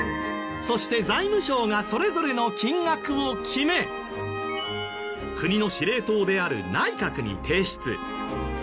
そして財務省がそれぞれの金額を決め国の司令塔である内閣に提出。